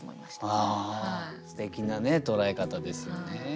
すてきなね捉え方ですよね。